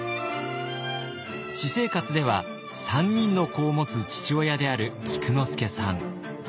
私生活では３人の子を持つ父親である菊之助さん。